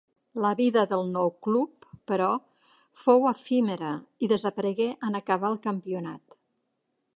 La vida del nou club, però, fou efímera i desaparegué en acabar el campionat.